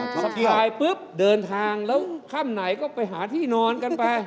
สบายปุ๊บเดินทางแล้วค่ำไหนก็ไปหาที่นอนกันไป